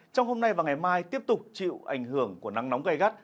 trong hôm nay và ngày mai tiếp tục chịu ảnh hưởng của nắng nóng gây gắt